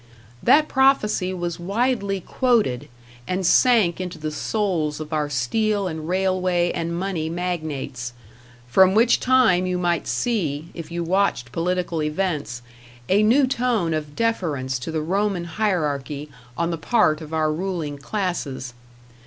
That prophecy was widely quoted, and sank into the souls of our steel and railway and money magnates; from which time you might see, if you watched political events, a new tone of deference to the Roman Hierarchy on the part of our ruling classes.